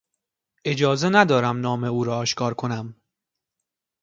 اجازه ندارم نام او را آشکار کنم.